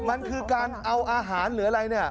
มันคือการเอาอาหารหรืออะไร